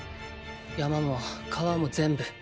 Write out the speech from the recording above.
山も川も全部。